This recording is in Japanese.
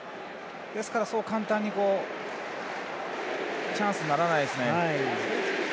ですから、そう簡単にチャンスにならないですね。